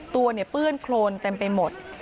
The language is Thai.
ตัวเปื้อนโครนเต็มไปหมด